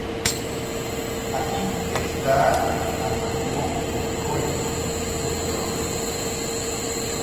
Aquí está el algoritmo de Cohen-Sutherland